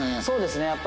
そうですね